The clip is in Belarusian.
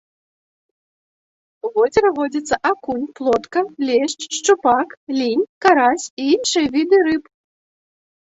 У возеры водзяцца акунь, плотка, лешч, шчупак, лінь, карась і іншыя віды рыб.